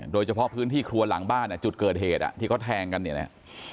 โดยเฉพาะพื้นที่ครัวหลังบ้านจุดเกิดเหตุที่เขาแทงกันเนี่ยนะ